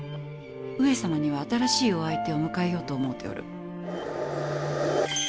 上様には新しいお相手を迎えようと思うておる。